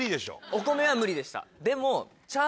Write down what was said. お米は無理でした。